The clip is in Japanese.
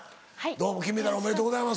どうも金メダルおめでとうございます。